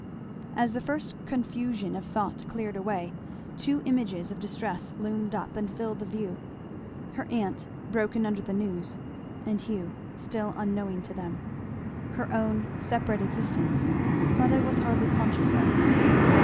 As the first confusion of thought cleared away, two images of distress loomed up and filled the view, her aunt, broken under the news, and Hugh still unknowing to them; her own separate existence Fleda was hardly conscious of.